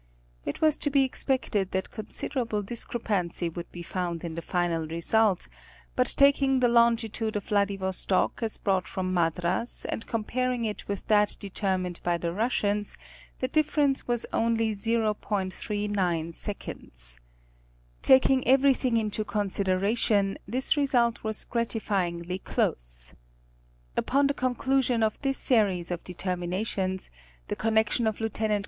It was to be expected that considerable discrepancy would be found in the final result, but taking the longitude of Vladivostok as brought from Madras, and comparing it with that determined by the Russians, the difference was only 0%.39. Taking everything into consideration, this result was gratifyingly close. Upon the con clusion of this series of determinations, the connection of Lieut.